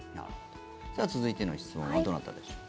さあ、続いての質問はどなたでしょう。